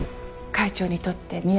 会長にとってみ